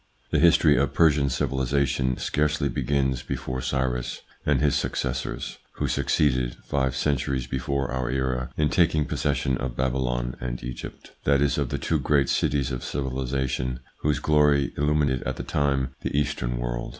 The history of Persian civilisation scarcely begins before Cyrus and his successors, who succeeded, five centuries before our era, in taking possession of Babylon and Egypt, that is of the two great cities of civilisation, whose glory illumined at the time the Eastern world.